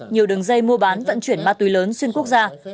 nhiều đường dây mua bán vận chuyển ma túy lớn xuyên quốc gia